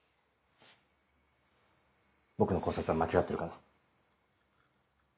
僕の考察は間違ってるかな？